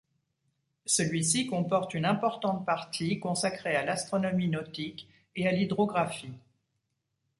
Celui-ci comporte une importante partie consacrée à l'astronomie nautique et à l'hydrographie.